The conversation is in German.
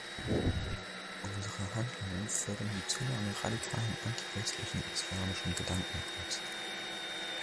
Unsere Handlungen fördern die Zunahme radikalen, anti-westlichen, islamischen Gedankenguts.